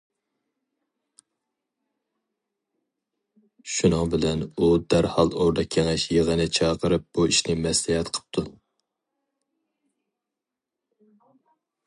شۇنىڭ بىلەن ئۇ دەرھال ئوردا كېڭەش يىغىنى چاقىرىپ بۇ ئىشنى مەسلىھەت قىپتۇ.